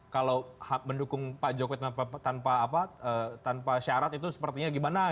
kalau mendukung pak jokowi tanpa syarat itu sepertinya gimana